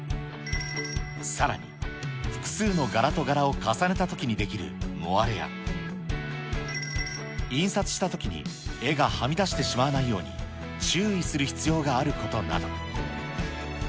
さらに複数の柄と柄を重ねたときに出来るモアレや、印刷したときに絵がはみ出してしまわないように、注意する必要があることなど。